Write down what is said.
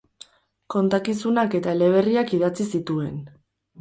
Kontakizunak eta eleberriak idatzi zituen.